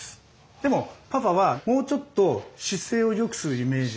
でもパパはもうちょっと姿勢をよくするイメージで。